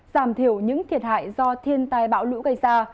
giảm thiểu những thiệt hại do thiên tai bão lũ gây ra